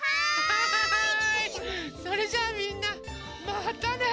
それじゃあみんなまたね！